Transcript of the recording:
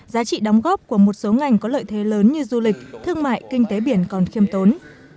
giá trị đóng góp của một số ngành có lợi thế lớn như du lịch thương mại kinh tế biển còn khiêm tốn